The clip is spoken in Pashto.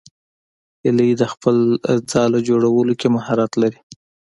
هیلۍ د خپل ځاله جوړولو کې مهارت لري